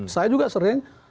saya juga sering